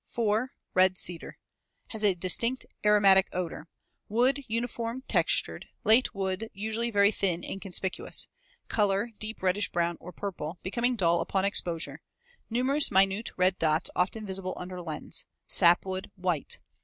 4. Red Cedar. Has a distinct aromatic odor. Wood uniform textured; late wood usually very thin, inconspicuous. Color deep reddish brown or purple, becoming dull upon exposure; numerous minute red dots often visible under lens. Sapwood white.